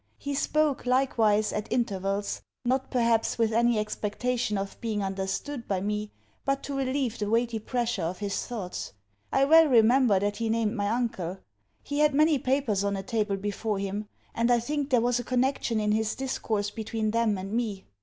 He spoke, likewise, at intervals; not, perhaps, with any expectation of being understood by me, but to relieve the weighty pressure of his thoughts. I well remember that he named my uncle. He had many papers on a table before him; and I think there was a connection in his discourse between them and me.